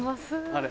あれ？